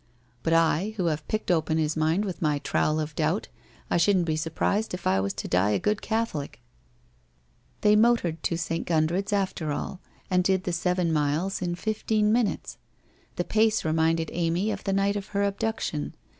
But I, who have picked open his mind with my trowel of doubt, I shouldn't be surprised if I was to die a good Catholic/ They motored to St. Gundred's after all and did the seven miles in fifteen minutes. The pace reminded Amy of the night of her abduction.